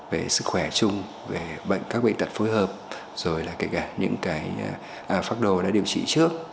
về sức khỏe chung về các bệnh tật phối hợp rồi là kể cả những cái phác đồ đã điều trị trước